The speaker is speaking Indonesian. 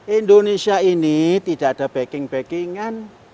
indonesia ini tidak ada backing backing an